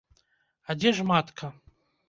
А дзе ж матка?